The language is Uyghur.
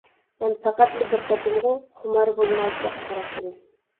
مەن پەقەتلا بىر قېتىمغۇ خۇمارى بولماس دەپ قاراپتىمەن.